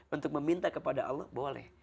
untuk meminta kepada allah boleh